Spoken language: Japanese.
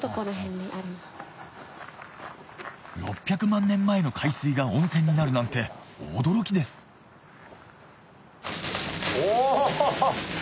６００万年前の海水が温泉になるなんて驚きですお！